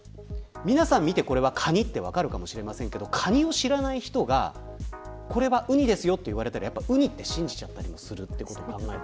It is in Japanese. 皆さん見て、カニって分かるかもしれませんがカニを知らない人がこれがウニですよと言われたらウニって信じちゃったりもする。